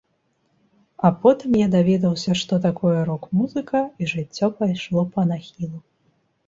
А потым я даведаўся што такое рок-музыка, і жыццё пайшло па нахілу.